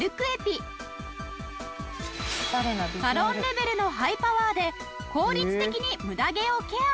サロンレベルのハイパワーで効率的にムダ毛をケア！